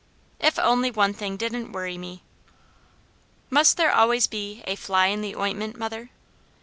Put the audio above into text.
If only one thing didn't worry me " "Must there always be a 'fly in the ointment,' mother?"